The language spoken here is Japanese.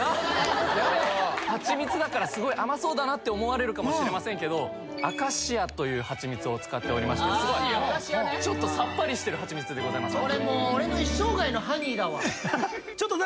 ハチミツだから甘そうだなって思われるかもしれませんけどアカシアというハチミツを使っておりましてちょっとさっぱりしてるハチミツでございます